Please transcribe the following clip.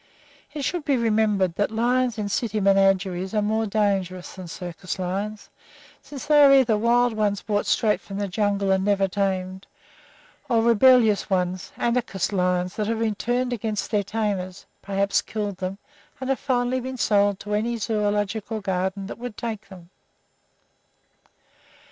It should be remembered that lions in city menageries are more dangerous than circus lions, since they are either wild ones brought straight from the jungle and never tamed or rebellious ones, anarchist lions that have turned against their tamers, perhaps killed them, and have finally been sold to any zoölogical garden that would take them.